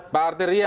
baik pak artir ria